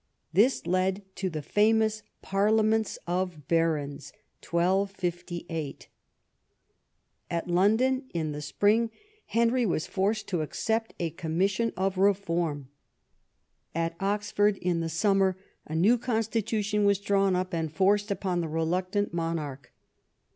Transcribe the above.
This led to the famous Parliaments of Barons of 1258. At London, in the spring, Henry was forced to accept a commission of reform. At Oxford, in the summer, a new constitu tion was drawn up and forced upon tlie reluctant monarch.